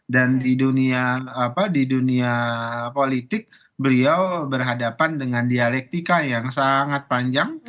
dan di dunia politik beliau berhadapan dengan dialektika yang sangat panjang